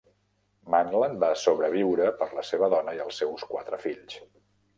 Manlan va sobreviure per la seva dona i els seus quatre fills.